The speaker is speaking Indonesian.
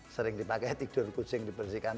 sering dipakai tidur kucing dibersihkan